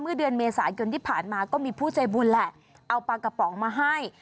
เดือนเมษายนที่ผ่านมาก็มีผู้ใจบุญแหละเอาปลากระป๋องมาให้